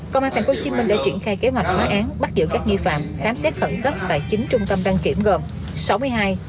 công an thành phố hồ chí minh đã triển khai kế hoạch phá án bắt giữ các nghi phạm khám xét khẩn cấp tại chính trung tâm đăng kiểm gồm